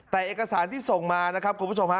แต่เอกสารที่ส่งมานะครับคุณผู้ชมฮะ